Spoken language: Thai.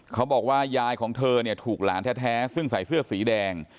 เขาบอกว่ายายของเธอเนี่ยถูกหลานแท้ซึ่งใส่เสื้อสีแดง